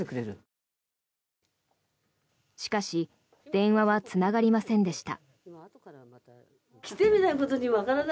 しかし電話はつながりませんでした。